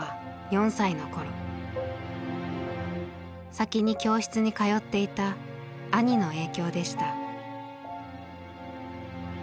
先に教室に通っていた兄の影響でした。